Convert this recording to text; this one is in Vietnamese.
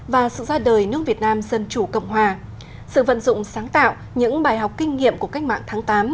và sự ra đời nước việt nam dân chủ cộng hòa sự vận dụng sáng tạo những bài học kinh nghiệm của cách mạng tháng tám